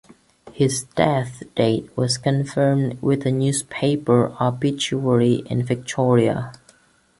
His death date was confirmed with a newspaper obituary in Victoria.